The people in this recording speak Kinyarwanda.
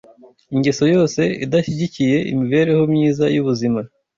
Ingeso yose idashyigikiye imibereho myiza y’ubuzima